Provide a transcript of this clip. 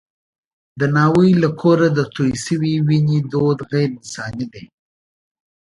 د ناوې له کوره د تویې شوې وینې دود غیر انساني دی.